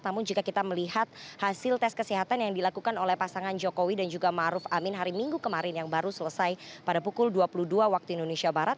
namun jika kita melihat hasil tes kesehatan yang dilakukan oleh pasangan jokowi dan juga ⁇ maruf ⁇ amin hari minggu kemarin yang baru selesai pada pukul dua puluh dua waktu indonesia barat